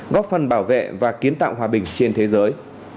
góp phần bảo vệ và kiến tạo hòa bình trên thế giới